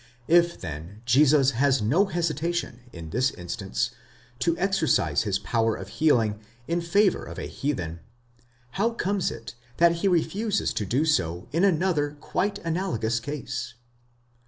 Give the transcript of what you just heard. If, then, Jesus has no hesitation, in this instance, to exercise his power of healing in favour of a heathen, how comes it that he refuses to do so in another quite analogous case?